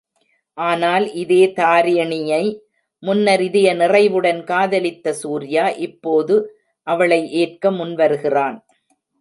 ஆனால் இதே தாரிணியை முன்னர் இதய நிறைவுடன் காதலித்த சூர்யா, இப்போது அவளை எற்க முன்வருகிறான்.